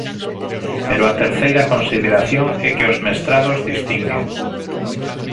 Pero a terceira consideración é que os mestrados distinguen.